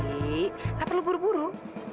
nggak perlu buru buru